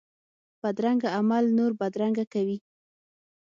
بدرنګه عمل نور بدرنګه کوي